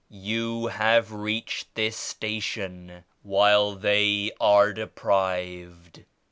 You have reached this station while they are deprived.